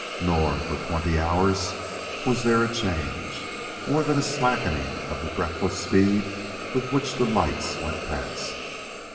Nor, for twenty hours, was there a change, more than a slackening of the breathless speed with which the lights went past.